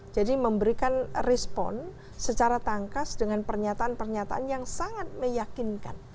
jadi memberikan respon secara tangkas dengan pernyataan pernyataan yang sangat meyakinkan